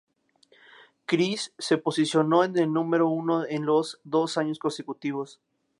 Criss se posicionó en el número uno en los dos años consecutivos.